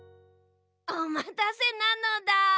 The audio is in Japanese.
おまたせなのだ。